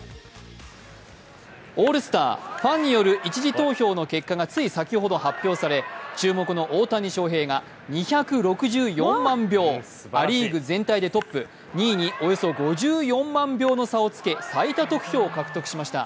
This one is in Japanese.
オールスター、ファンによる１次投票の結果がつい先ほど発表され注目の大谷翔平が２６４万票、ア・リーグ全体でトップ、２位におよそ５４万票の差をつけ最多得票を獲得しました。